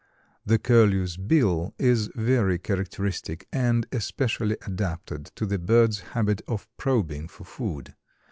The Curlew's bill is very characteristic and especially adapted to the bird's habit of probing for food.